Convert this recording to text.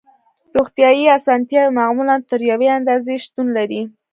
روغتیایی اسانتیاوې معمولاً تر یوې اندازې شتون لري